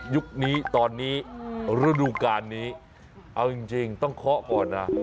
ยุคนี้ตอนนี้ฤดูการนี้เอาจริงต้องเคาะก่อนนะ